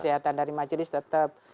penasehatan dari majelis tetap